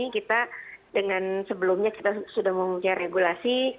karena kita dengan sebelumnya sudah memulai regulasi